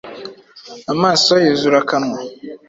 amaso yuzura akanwa